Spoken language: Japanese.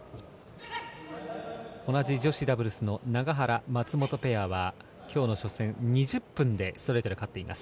同じ女子ダブルスの永原、松本ペアは今日の初戦、２０分でストレートで勝っています。